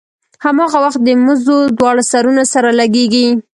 هماغه وخت د مزو دواړه سرونه سره لګېږي.